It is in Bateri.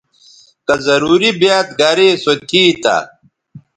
کہ ضروری بیاد گریسو تھی تہ